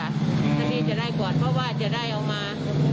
ถ้าพี่จะได้ก่อนเพราะว่าจะได้เอามา